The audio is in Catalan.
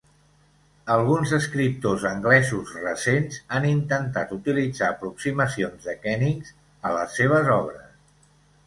Alguns escriptors anglesos recents han intentat utilitzar aproximacions de kennings a les seves obres.